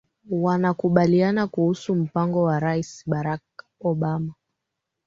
wanakubaliana kuhusu mpango wa rais barack obama